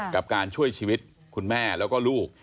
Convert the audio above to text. กับการช่วยชีวิตคุณแม่แล้วก็ลูก